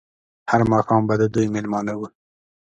هر ماښام به د دوی مېلمانه وو.